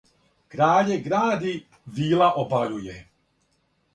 Краље гради, вила обаљује,